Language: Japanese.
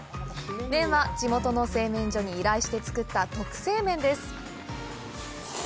麺は地元の製麺所に依頼して作った特製麺です。